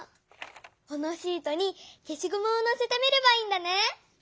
このシートにけしごむをのせてみればいいんだね。